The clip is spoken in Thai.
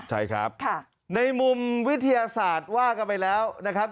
ใช่ครับในมุมวิทยาศาสตร์ว่ากันไปแล้วนะครับ